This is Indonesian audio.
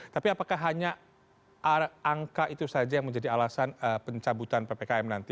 tapi apakah hanya angka itu saja yang menjadi alasan pencabutan ppkm nanti